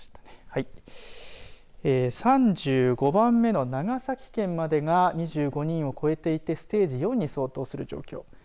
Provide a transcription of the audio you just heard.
３５番目の長崎県までが２５人を超えていてステージ４に相当する状況